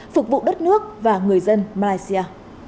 phục vụ đất nước và người dân malaysia